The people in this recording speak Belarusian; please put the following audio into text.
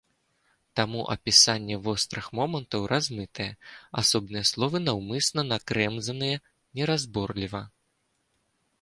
Таму апісанне вострых момантаў размытае, асобныя словы наўмысна накрэмзаныя неразборліва.